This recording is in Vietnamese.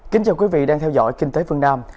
kính chào quý vị đang theo dõi kinh tế phương nam